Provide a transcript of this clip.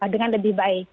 dengan lebih baik